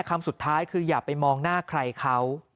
คำสุดท้ายคืออย่าไปมองหน้าใครเขา